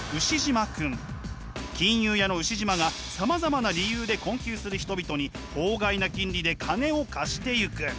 金融屋のウシジマがさまざまな理由で困窮する人々に法外な金利で金を貸していく。